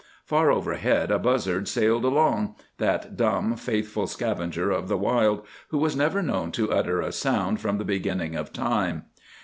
Far overhead a buzzard sailed along—that dumb, faithful scavenger of the wild, who was never known to utter a sound from the beginning of time.